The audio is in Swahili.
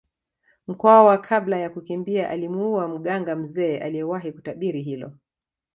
Mkwawa kabla ya kukimbia alimuua mganga mzee aliyewahi kutabiri hilo